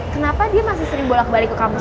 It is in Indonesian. kenapa dia masih sering bolak balik ke kampus